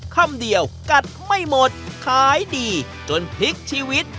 คำเดียวกัดไม่หมดขายดีจนพลิกชีวิต